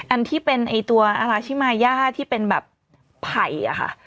อันที่เป็นตัวอราชิมาย่าที่เป็นแบบไผ่อะค่ะ